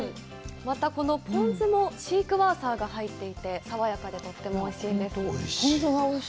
またこのポン酢もシークワーサーが入っていて、爽やかで、とってもおいしいです。